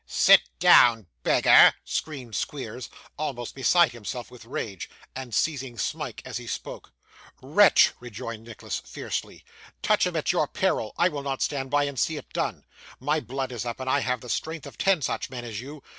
'Sit down, beggar!' screamed Squeers, almost beside himself with rage, and seizing Smike as he spoke. 'Wretch,' rejoined Nicholas, fiercely, 'touch him at your peril! I will not stand by, and see it done. My blood is up, and I have the strength of ten such men as you.